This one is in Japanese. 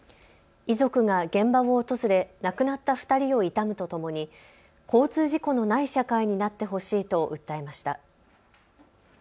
遺族が現場を訪れ亡くなった２人を悼むとともに交通事故のない社会になってほしいと訴えました。